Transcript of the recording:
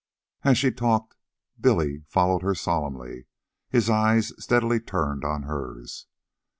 As she talked, Billy followed her solemnly, his eyes steadily turned on hers.